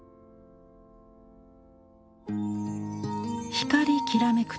光きらめく